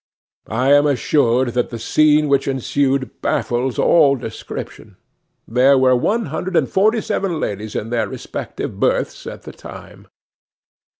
I am assured that the scene which ensued baffles all description. There were one hundred and forty seven ladies in their respective berths at the time.